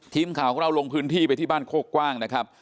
ทีมข่าวลงพื้นที่ไปที่บ้านโคกกว่าง